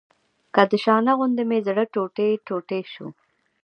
که د شانه غوندې مې زړه ټوټې ټوټې شو.